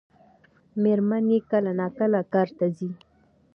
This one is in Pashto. مېرمن یې کله ناکله کار ته ځي.